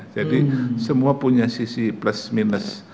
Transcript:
jadi semua punya sisi plus minus